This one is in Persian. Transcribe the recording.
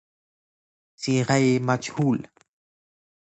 صیغۀ مجهول